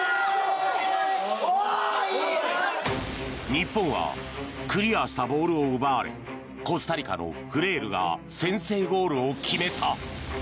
日本はクリアしたボールを奪われコスタリカのフレールが先制ゴールを決めた。